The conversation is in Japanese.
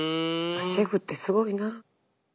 シェフってすごいな。